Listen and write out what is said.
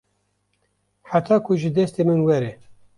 heta ku ji destê min were